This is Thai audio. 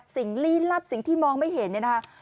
สิ่งลีลับสิ่งที่มองไม่เห็น